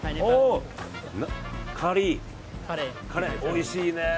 おいしいね。